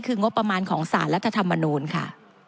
คืองบประมาณของสารรัฐธรรมนูลค่ะ